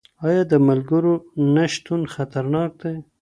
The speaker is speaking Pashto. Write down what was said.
آيا د ملګرو نشتون خطرناک دی؟